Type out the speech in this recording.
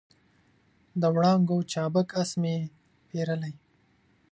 د وړانګو چابک آس مې پیرلی